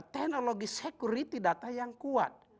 teknologi security data yang kuat